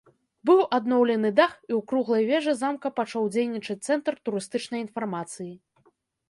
Быў адноўлены дах і ў круглай вежы замка пачаў дзейнічаць цэнтр турыстычнай інфармацыі.